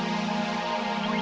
tunjukkan sama aku